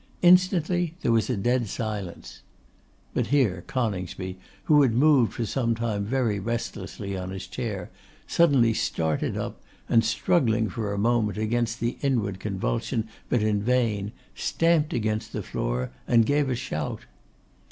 Instantly there was a dead silence ' but here Coningsby, who had moved for some time very restlessly on his chair, suddenly started up, and struggling for a moment against the inward convulsion, but in vain, stamped against the floor, and gave a shout.